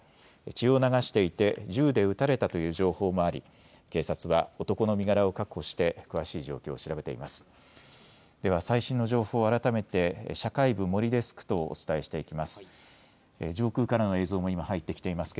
血を流していて銃で撃たれたという情報もあり警察は男の身柄を確保して詳しい状況を調べています。